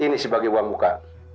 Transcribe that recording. ini sebagai uang muka